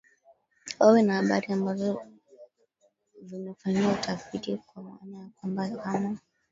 wawe na habari ambazo vimefanyiwa utafiti kwa maana ya kwamba kama